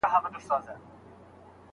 که معلومات پټ کړي نو نکاح به مشکل پيدا کړي.